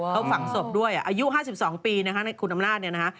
เขาฝังศพด้วยอายุ๕๒ปีนะคะในคุณอำนาจเนี่ยนะฮะ